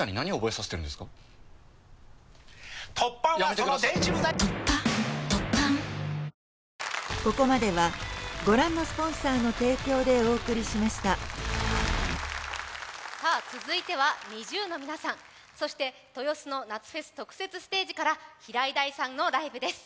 十六種類で十六茶続いてはＮｉｚｉＵの皆さん、そして豊洲の夏フェス特設ステージから平井大さんのライブです。